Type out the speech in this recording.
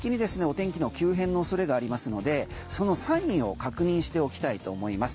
天気の急変の恐れがありますのでそのサインを確認しておきたいと思います。